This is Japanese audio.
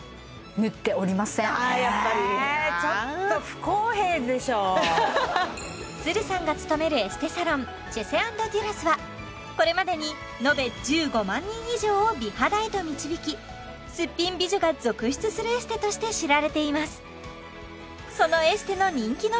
やっぱりえアハハハッさんが勤めるエステサロンチェセ＆デュラスはこれまでに延べ１５万人以上を美肌へと導きすっぴん美女が続出するエステとして知られています